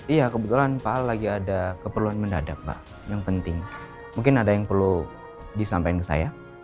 iya kebetulan pak lagi ada keperluan mendadak pak yang penting mungkin ada yang perlu disampaikan ke saya